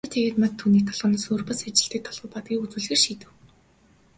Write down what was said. Одоо тэрээр Мад түүний толгойноос өөр бас ажилладаг толгой байдгийг үзүүлэхээр шийдэв.